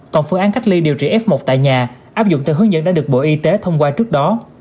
còn phương án cách ly điều trị f một tại nhà áp dụng theo hướng dẫn đã được bộ y tế thông qua trước đó